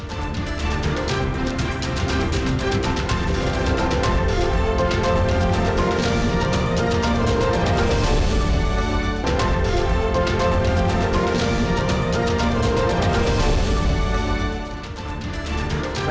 kpu mengembangkan peraturan ini